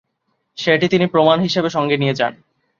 সেটি তিনি প্রমাণ হিসাবে সঙ্গে নিয়ে যান।